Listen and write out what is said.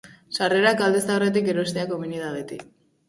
Sarrerak aldez aurretik erostea komeni da beti.